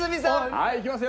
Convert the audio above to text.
はいいきますよ。